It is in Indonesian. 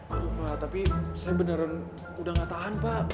aduh pak tapi saya beneran udah gak tahan pak